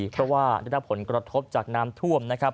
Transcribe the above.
เพราะว่าได้รับผลกระทบจากน้ำท่วมนะครับ